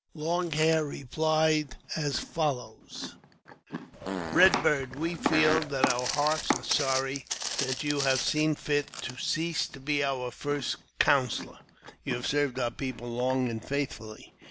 Long Hair replied as follows :" Eed Bird, we feel that our hearts are sorry that you have seen fit to cease to be our first counsellor. You have served our people long and faithfully.